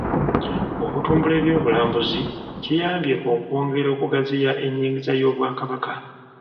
Okutumbula eby'obulambuzi kiyambye okwongera okugaziya ennyingiza y'Obwakabaka.